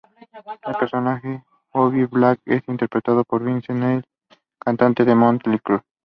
El personaje Bobbie Black es interpretado por Vince Neil, cantante de Mötley Crüe.